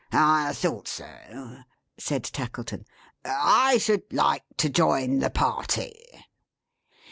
"I thought so!" said Tackleton. "I should like to join the party."